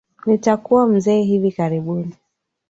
Nitakuwa mzee hivi karibuni